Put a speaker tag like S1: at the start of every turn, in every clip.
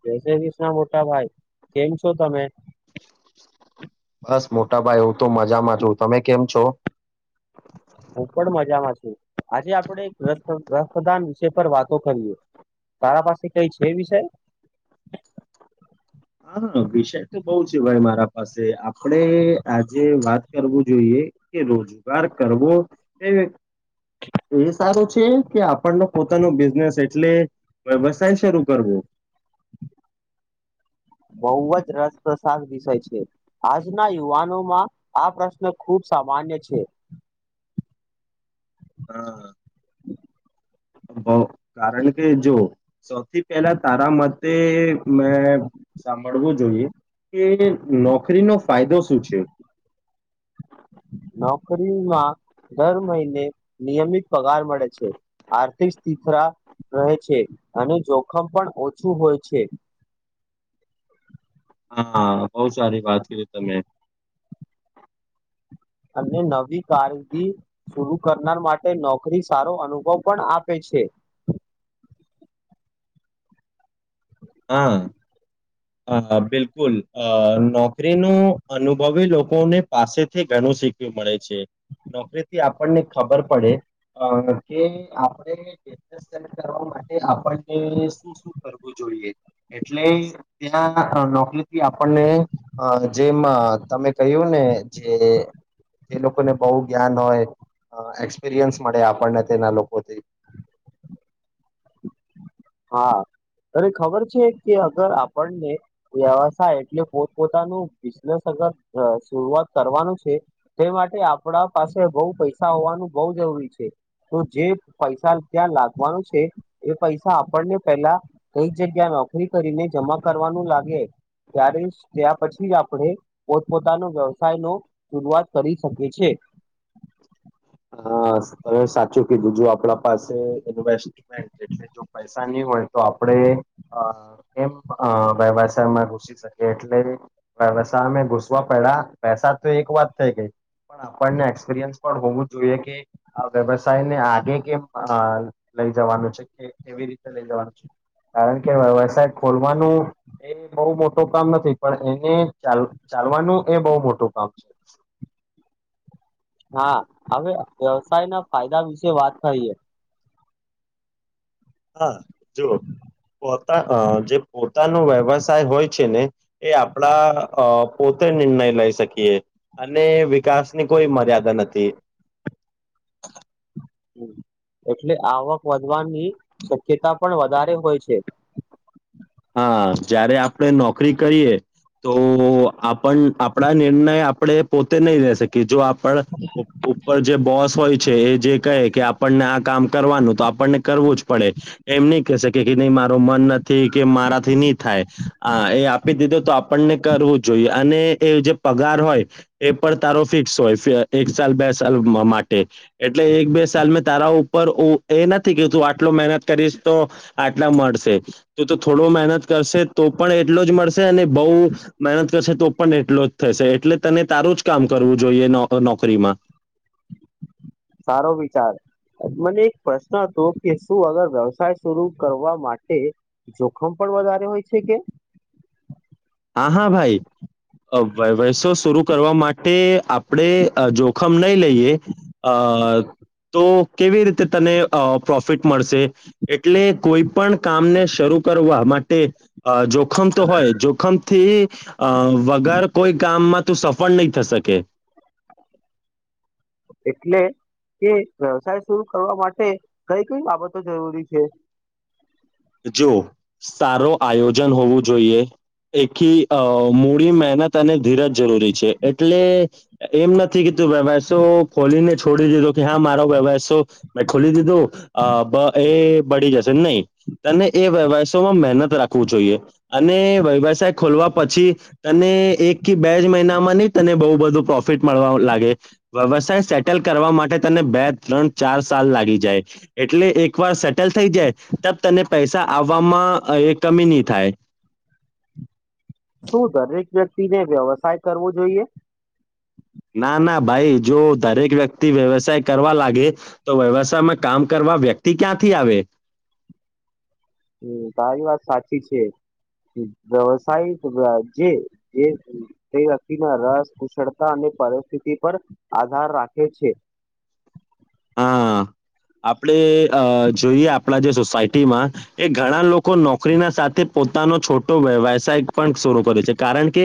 S1: જય શ કૃષ્ણ મોટા ભાઈ કેમ છો તમે.
S2: બસ મોટાભાઈ હું તો મજામાં છું તમે કેમ છો.
S1: હું પણ મજામાં છું આજે આપણે રક્તદાન વિષયપર વાતો કરીએ. તારા પાસે કઈ છે વિષય
S2: હા હા વિષય તો બહ છે ભાઈ મારા પાસે આપડે આજે વાત કરવું જોઈએ. કે રોજગાર કરવો એ એ સારું છે કે આપણને પોતાનો બિઝનેસ એટલે વ્યવસાય શરૂ કરવોઙ
S1: [inaudible] બહુ જ રસપ્રસદ વિષય છે આજના યુવાનો માં આ પ્રશ્ન ખુબ સામાન માન્ય છે.
S2: [inaudible] કારણ કે જો સૌથી પહેલા તારા મતે મે સાંભળવું જોઈએ કે નોકરીનો ફાયદો શું છે.
S1: [inaudible] નોકરીમાં દર મહિને નિયમિત પગાર મળે છે આર્થિક સ્થથરા રહે છે અને જોખમ પણ ઓછું હોય છે.
S2: હા બહ સારી વાત કરી તમે
S1: અને નવી કારગદી સુરુ કરનાર માટે નોકરી સારો અનુભવ પણ આપે છે. છે.
S2: [inaudible] બિલકુલ અ નોકરી ન અનુભવી લોકોને પાસેથી ઘ શીખ મળે છે નોકરી થી આપણને ખબર પડે. અ કે આપણે કરવા માટે આપણને શું શું કરવું જોઈએ. એટલે ત્યાં નોકરીથી આપણને જેમ તમે કહ્યું ું ને જે એ લોકોને બહુ જ્ઞાન હોય એક્સપિરિયન્સ મળે આપણને તેના લોકોથી
S1: [inaudible] અરે ખબર છે કે અગર આપણને વ્યવસાય એટલે પોતપોતાનું બિઝનેસ શરૂઆત કરવાનું છે તે માટે આપડા પાસે બઉ પૈસા હોવાનું બ જ તો જે પૈસા ત્યાં લાગવાનું છે એ પૈસા આપણને પેલા કઈક જગ્યા નોકરી કરીને જમા કરવાનું લાગે ત્યારે ત્યાં પછી જ આપણે પોતપોતાનો વ્યવસાય નો શરૂઆત કરી શકીએ છેએ [inaudible]
S2: હ ત સાચું કે બીજું આપડા પાસે ઇન્વેસ્ટમેન્ટ એટલે જો પૈસાની તો આપણેમ વ્યવસાયમાં ઘુસી શકીએ એટલે. સા અમે ઘુસવા પડ્યા પૈસા તો એક વાત થઈ ગઈ પણ આપણને એક્સપિરિયન્સ પણ હોવું જોઈએ કે આ વ્યવસાયને આગે કે લઈ જવાનું છે કે કેવી રીતે લઈ જવાનું છે. કારણ કે વ્યવસાય ખોલવાનું એ બહુ મોટો કામ નથી પણ એને ચ ચાલવાનું એ બહુ મોટું કામ છે.
S1: [inaudible] હા હવે વ્યવસાયના ફાયદા વિશે વાત કરીએ.
S2: હા જુઓ પોતા જે પોતાનું વ્યવસાય હોય છે ને એ આપણા પો નિર્ણય લઈ શકીએ અને વિકાસ ની કોઈ મર્યાદા નથી
S1: [inaudible] એટલે આવક વધવાની શક્યતા પણ વધારે હોય છે
S2: હા જયારે આપડે નોકરી કરીએ તો આપ આપણા નિર્ણય આપણે પોતે નહી લે શકીએ જો પણ ઉપર જે બોસ હોય છે એ જે કહે કે આપણને આ કામ કરવાનું તો આપણને કરવું જ પડે એમ નહી ક શકે કે નહી મારો મન નથી કે મારાથી નહી થાય આ એ આપી દીધું તો આપણને કરવું જોઈએ અને એ જે પગાર હોય એ પણ તારો ફિક્સ હોય એક સલ બેસ માટે એટલે એક બે સાલ મેં તારા ઉપર એ નથી કે તું આટલો મહેનત કરીશ તો આટલા મળશે તો તો થોડો મહેનત કરશે તો પણ એટલો જ મળશે અને બઉુ મહેનત કરશે તો પણ એટલો જ થશે એટલે તને તારું જ કામ કરવું જોઈએ નોકરીમાં
S1: સારો વિચાર મને એક પ્રશ્ન હતો કે શું અગર વ્યવસાય શરૂુ કરવા માટે જોખમ પણ બજ હોય છે કે
S2: હા હા ભાઈ વસો શર કરવા માટે આપણે જોખમ નહી લઈએ હ તો કેવી રીતે તને પ્રોફિટ મળશે એટલે કોઈ પણ કામને શરૂ કરવા માટે જોખમ તો હોય જોખમ થી અ વગર કોઈ કામમાં તું સફળ નહી થ શકે
S1: એટલે કે વ્યવસાય શર કરવા માટે કઈ કઈ બાબતો જરૂરી છે
S2: જો સારો આયોજન હોવું જોઈએ એકખી મૂડી મહેનત અને ધીરજ જરૂરી છે એટલે એમ નથી વ્યવો ખોલીને છોડી દીધો કે હા મારો વ્યવસો મેં ખોલી દીધો એ બળી જશે નહી મત રાખ જોઈએ અને વ્યવસાય ખોલવા પછી ત એક બે જ તને બ બું પ્રોફિટ મળવા લાગે વ્યવસાય સેટલ કરવા માટે તને બે ત ચાર સાલ લાગી જાય એટલે એક વાર સેટલ થઈ જાય તને પૈસા આવવામાં કમી નહી થાય
S1: શું દરેક વ્યક્તિને વ્યવસાય કરવો જોઈએ
S2: ના ના ભાઈ જો દરેક વ્યક્તિ વ્યવસાય કરવા લાગે તો વ્યવસાયમાં કામ કરવા એવા વ્યક્તિ ક્યાંથી આવે
S1: હમ તારી વાત સાચી છે જ વ્યવસાય જે તે વ્યક્તિના રસ કુશળતા અને પરિસ્થિતિ પર આધાર રાખે છે.
S2: હા. આપણે અ જોઈએ આપણા જે સોસાયટીમાં એ ઘણા લોકો નોકરીના સાથે પોતાનો છોટો વ્ય વસાય પણ શરૂ કરે છે કારણ કે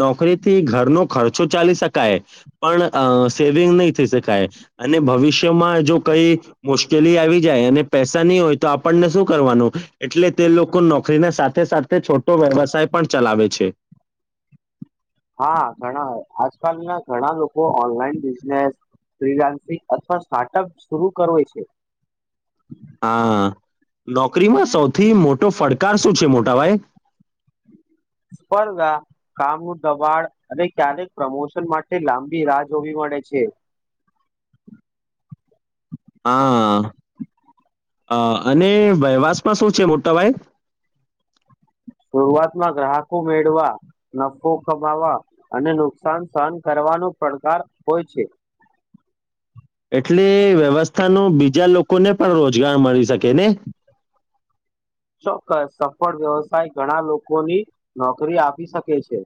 S2: નોકરીથી ઘરનો ખર્ચો ચાલ બતાવી શકાય પણ અ સેવિંગ નહી થઈ શકાય અને ભવિષ્ ય માં જો કઈ મુશ્કેલી આવી જાય અને પૈસા નહીં હોય તો આપણને શું કરવાનું એટલે તે લોકો નોકરીને સાથે સાથે છોટો વ્યવસાય પણ ચલાવે છે.
S1: હા, ઘણા આજકાલ ના ઘણા લોકો ઓનલાઈન બિઝનેસ ફ્રિલેન્સિંગ અથવા સ્ટાર્ટઅપ શરુ કરો છે.
S2: હા, નોકરીમાં સૌથી મોટો ફડકાર શું છે મોટાભાઈ?
S1: [inaudible] સ્પર્ધા, કામ નું દબાણ અને ક્યારેક પ્રમોશન માટે લાંબી રાહ જોવી મડે છે.
S2: હા. અ અને વયવાસમાં શું છે મોટાભાઈ?
S1: શરૂઆતમાં ગ્રાહકો મેળવા, નફો કમાવા અને નુકસાન સહન કરવા નો પડકાર હોય છે.
S2: એટલે વ્યવસ્થા નું બીજા લોકોને પણ રોજગાર મળી શકે ને?
S1: ચોક્કસ સફળ વ્યવસાય ઘણા લોકોની નોકરી આપી શકે છે.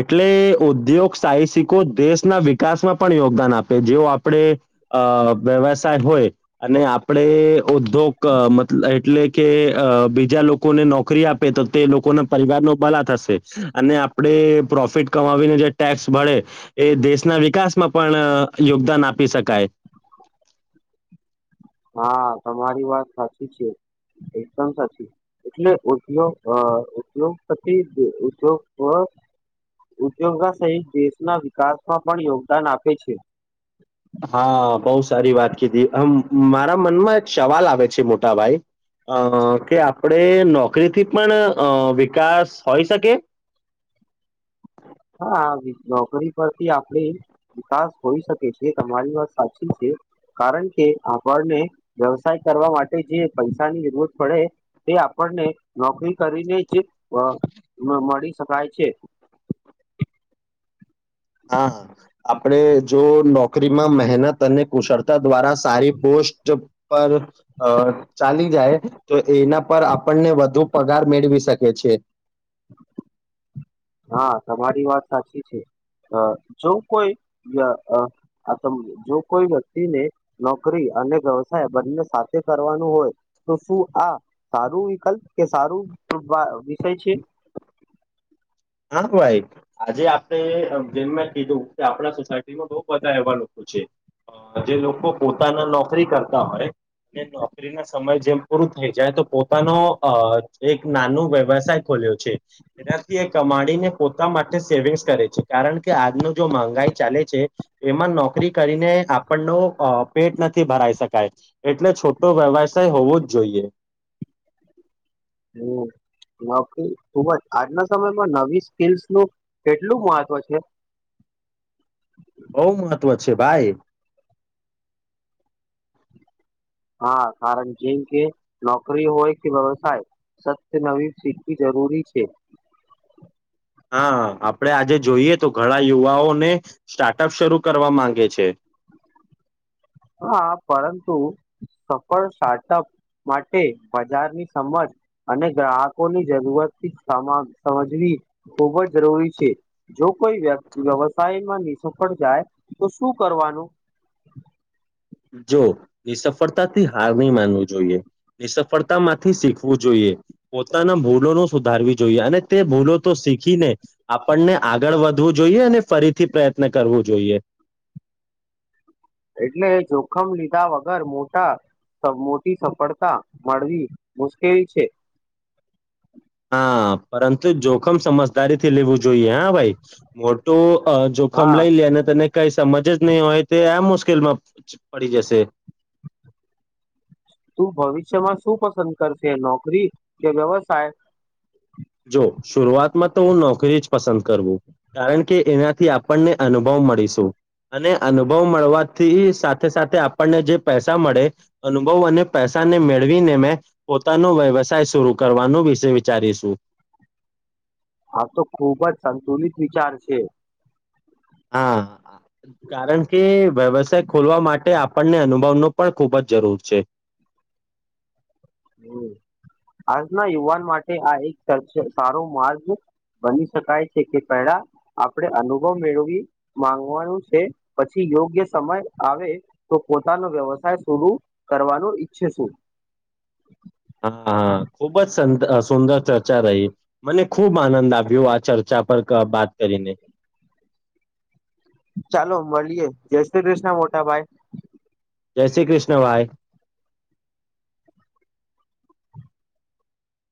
S2: એટલે ઉદ્યોગ સાહસિકો દેશના વિકાસમાં પણ યોગદાન આપે જેવ આપડે અ વ્યવસાય હોય અને આપણે ઉદ્યોગ મત એટલે કે અ બીજા લોકોને નોકરી આપે તો તે લોકો ના પરિવાર નો ભલા થશે અને આપણે પ્રોફિટ કમાવીને જે ટેક્સ ભરે એ દેશના વિકાસમાં પણ યોગદાન આપી શકાય.
S1: હા, તમારી વાત સાચી છે. એકદમ સાચી એટલે ઉદ્યોગ અ ઉદ્યોગપતિ ઉદ્યોગ ઉદ્યોગા સહિત દેશના વિકાસમાં પણ યોગદાન આપે છે.
S2: હા, બહુ સારી વાત કીધી મારા મનમાં એક સવાલ આવે છે મોટાભાઈ અ કે આપડે નોકરીથી પણ અ વિકાસ હોઈ શકે?
S1: હા, નોકરી પરથી આપણે વિકાસ હોઈ શકે છે તમારી વાત સાચી છે કારણ કે આપણને વ્યવસાય કરવા માટે જે પૈસાની જરૂરત પડે એ આપણને નોકરી કરીને જ અ મળી શકાય છે.
S2: હા, આપણે જો નોકરીમાં મહેનત અને કુશળતા દ્વારા સારી પોસ્ટ પર અ ચાલી જાય તો એના પર આપણને વધુ પગાર મેળવી શકે છે.
S1: હા, તમારી વાત સાચી છે. અ જો કોઈ અ આ જો કોઈ વ્યક્તિને નોકરી અને વ્યવસાય બંને સાથે કરવાનું હોય તો શું આ સારું વિકલ્પ કે સારું તો બા વિષય છે.
S2: હા ભાઈ, આજે આપણે જેમ મેં કીધું આપણા સોસાયટીમાં બહ બધારે એવા લોકો છે. જે લોકો પોતાના નોકરી કરતા હોય અને નોકરી ના સમજ જેમ પૂરું થઈ જાય તો પોતાનો અ એક નાનો વ્યવસાય ખોલ્યો છે એનાથી એક કમાડીને પોતા માટે સેવિંગ્સ કરે છે. કારણ કે આજનું જો મગાઈ ચાલે છે એમાં નો નોકરી કરીને આપણનો અ પેટ નથી ભરાઈ શકાય એટલે છોટો વ્યવસાય હોવો જ જોઈએ.
S1: હમ્મ. ન ખ ખૂબજ આજના સમયમાં નવી સ્કીલ્સ નું કેટલું મહત્વ છે?
S2: બઉ મહત્વ છે ભાઈ.
S1: હા કારણ જેમ કે નોકરી હોય કે વ્યવસાય સત્ય નવી શીખવી જર જરૂરી છે.
S2: હા આપડે આજે જોઈએ તો ઘણા યુવાઓને સ્ટાર્ટઅપ શરૂ કરવા માંગે છે.
S1: હા પરંતુ સફળ સ્ટાર્ટઅપ માટે બજારની સમજ અને ગ્રાહકોની જરૂરતથી સમજવી ખૂબ જ જરૂરી છે. જો કોઈ વ્યક્તિ વ્યવસાયમાં નિ સફળ જાય તો શું કરવાનું.
S2: જો એ સફળતાથી હાર નહી માનવું જોઈએ એ સફળતા માંથી શીખવું જોઈએ. પોતાના ભૂલો ન સુધારવી જોઈએ અને તે ભૂલો તો શીખીને આપણને આગળ વધ વધવું જોઈએ અને ફરીથી પ્રયત્ન કરવું જોઈએ.
S1: એટલે જોખમ લીધા વગર મોટા મોટી સફળતા મળવી મુશ્કેલ છે.
S2: હા પરંતુ જોખમ સમજદારી થી લેવું જો જોઈએ હા ભાઈ. મોટું જોખમ
S1: હા
S2: લઈ લે અને તને કઈ સમજ જ નહીં હોય તો આ મુશ્કેલમાં પડી જશે.
S1: તું ભવિષ્યમાં શું પસંદ કરશે નોકરી કે વ્યવસાય?
S2: જો શરૂઆતમાં તો હું નોકરી જ પસંદ કરવું કારણ કે એનાથી આપણને અનુભવ મળીશું. અને અનુભવ મળવાથી સાથે સાથે આપણને જે પૈસા મળે અનુભવ અને પૈસા મેળવીને મેં પોતાનો વ્યવસાય શર કરવાનું વિશે વિચારીશું.
S1: આ તો ખુબ જ સંતુલિત વિચાર છે.
S2: હા. કારણ કે વ્યવસાય ખોલવા માટે આપણને અનુભવનો પણ ખુબ જ જરૂર છે.
S1: હમ. આજના યુવાન માટે આ એક સારો માર્ગ બની શકાય છે કે પેલા આપણેે અનુભવ મેળવી માંગવાનું છે પછી યોગ્ય સમય આવે તો પોતાનો વ્યવસાય શરુ કરવાનો ઈચ્છે શું. [inaudible]
S2: હા ખૂબ જ સંદ સુંદર ચર્ચા રહી મને ખુબ આનંદ આવ્યો આ ચર્ચા પર વાત કરીને.
S1: ચાલો મળીએ જય શ્રી દેશ્ ના મોટા ભાઈ.
S2: જય શ્રી કૃષ્ણભાઈ.